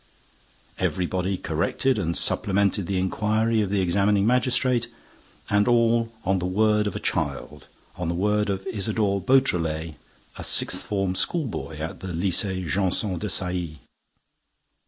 Everybody corrected and supplemented the inquiry of the examining magistrate; and all on the word of a child, on the word of Isidore Beautrelet, a sixth form schoolboy at the Lycée Janson de Sailly!